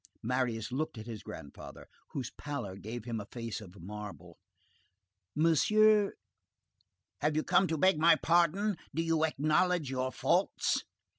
Marius looked at his grandfather, whose pallor gave him a face of marble. "Monsieur—" "Have you come to beg my pardon? Do you acknowledge your faults?"